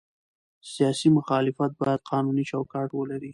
سیاسي مخالفت باید قانوني چوکاټ ولري